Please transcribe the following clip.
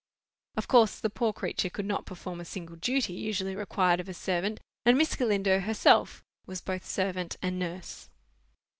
Of course the poor creature could not perform a single duty usually required of a servant, and Miss Galindo herself was both servant and nurse.